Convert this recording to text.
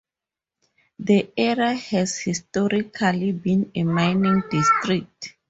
The area has historically been a mining district.